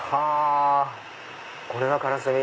これがカラスミ。